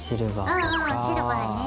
ああシルバーね。